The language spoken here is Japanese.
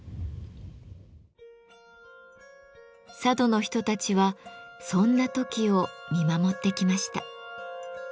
佐渡の人たちはそんなトキを見守ってきました。